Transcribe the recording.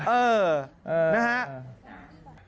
เออนะฮะ